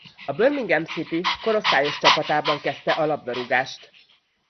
A Birmingham City korosztályos csapatában kezdte a labdarúgást.